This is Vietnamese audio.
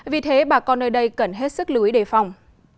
vì thế bà con nơi đây cần hết sức lưu ý đề phòng